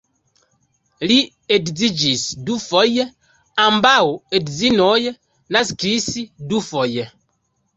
Li edziĝis dufoje, ambaŭ edzinoj naskis dufoje.